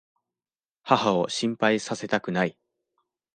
母を心配させたくない。